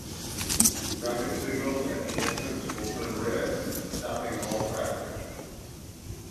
Traffic signals at that entrance will turn red, stopping all traffic.